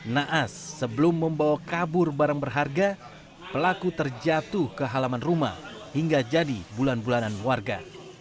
naas sebelum membawa kabur barang berharga pelaku terjatuh ke halaman rumah hingga jadi bulan bulanan warga